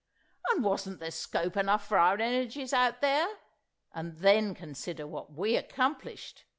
"And wasn't there scope enough for our energies out there? And then consider what we accomplished!